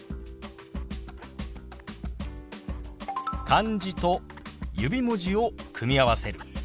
漢字と指文字を組み合わせる。